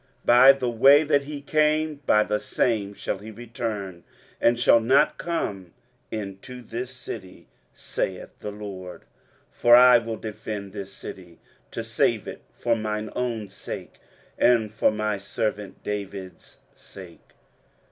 23:037:034 By the way that he came, by the same shall he return, and shall not come into this city, saith the LORD. 23:037:035 For I will defend this city to save it for mine own sake, and for my servant David's sake.